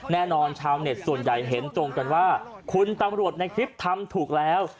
แน่นอนชาวเน็ตส่วนใหญ่เห็นตรงกันว่าคุณตำรวจในคลิปทำถูกแล้ว